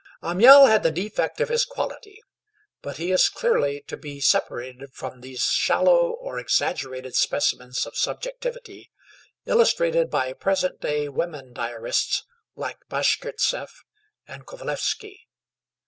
Amiel had the defect of his quality; but he is clearly to be separated from those shallow or exaggerated specimens of subjectivity illustrated by present day women diarists, like Bashkirtseff and Kovalevsky.